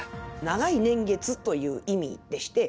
長い年月という意味でして。